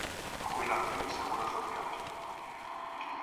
Jubilación y Seguro Social